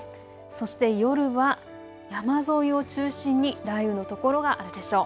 そして夜は山沿いを中心に雷雨の所があるでしょう。